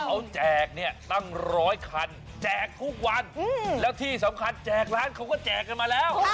เขาแจกเนี่ยตั้งร้อยคันแจกทุกวันแล้วที่สำคัญแจกร้านเขาก็แจกกันมาแล้ว